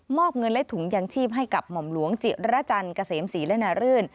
อบเงินและถุงยางชีพให้กับหม่อมหลวงจิระจันทร์เกษมศรีและนารื่น